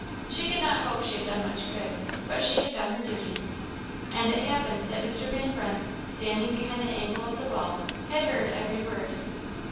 She could not hope she had done much good, but she had done her duty. And it happened that Mr. Van Brunt, standing behind the angle of the wall, had heard every word.